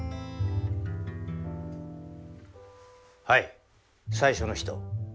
はい最初の人。